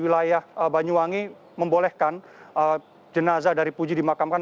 wilayah banyuwangi membolehkan jenazah dari puji dimakamkan